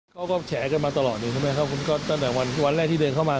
เขาก็แฉกันมาตลอดเองตั้งแต่วันแรกที่เดินเข้ามา